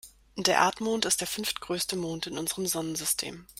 Der Erdmond ist der fünftgrößte Mond in unserem Sonnensystem.